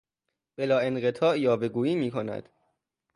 بلاانقطاع یاوه گویی میکند.